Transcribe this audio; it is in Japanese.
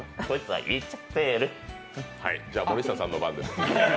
はい、じゃあ、森下さんの番です。